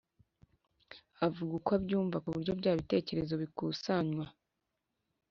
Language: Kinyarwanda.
avuga uko abyumva ku buryo bya bitekerezo bikusanywa